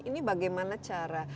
ini bagaimana cara